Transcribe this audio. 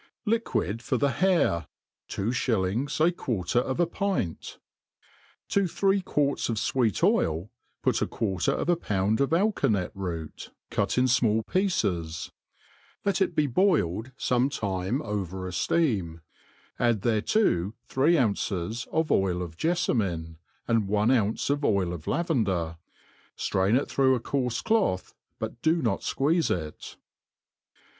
Liquid for the Hair. — Two ShlUings a garter of a Pint. TO three. quarts of f\veci*oil, put a quarter of a pound of alkanet root, cut in fmall pieces,; let it be boiled fome time over a (learn i add thereto three ounces of oil of Jeflamine, and one ounce of oil of lavender ; ftrain it through a coarfe cloth, but do not fqueeze it.